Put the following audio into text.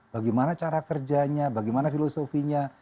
bagaimana cara kerjanya bagaimana filosofinya